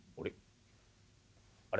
あれ？